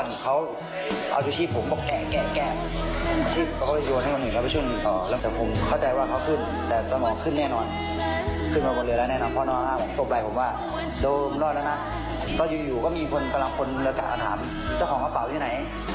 นี่แหละครับคุณผู้ชมฮะ